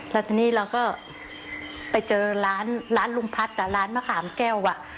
แล้วทีนี้เราก็ไปเจอร้านร้านลุงพัฒน์กับร้านมะขามแก้วอ่ะ